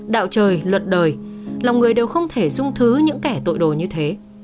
đạo trời luật đời lòng người đều không thể dung thứ những kẻ tội đồ như thế